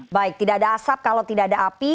baik tidak ada asap kalau tidak ada api